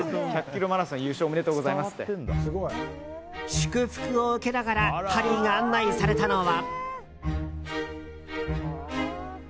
祝福を受けながらハリーが案内されたのは。